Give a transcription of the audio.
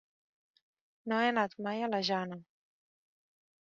No he anat mai a la Jana.